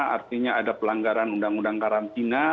artinya ada pelanggaran undang undang karantina